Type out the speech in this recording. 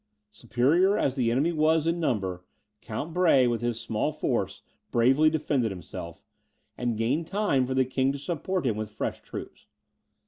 Superior as the enemy was in number, Count Brahe, with his small force, bravely defended himself, and gained time for the king to support him with fresh troops.